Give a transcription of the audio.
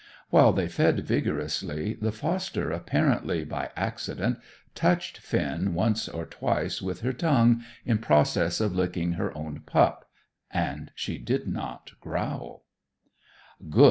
While they fed vigorously, the foster, apparently by accident, touched Finn once or twice with her tongue, in process of licking her own pup; and she did not growl. "Good!"